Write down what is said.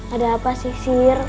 ada apa sih sir